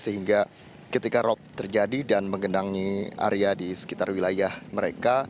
sehingga ketika rop terjadi dan menggenangi area di sekitar wilayah mereka